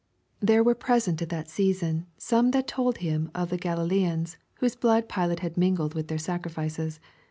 1 There were |>resentatthat season some that told him of the Galileans, whose blood Pilate had mingled with their sacrifices.